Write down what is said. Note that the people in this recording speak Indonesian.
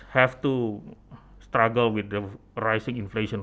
harga pengaruh yang menaik